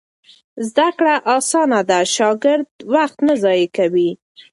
زده کړه اسانه ده، شاګرد وخت نه ضایع کوي.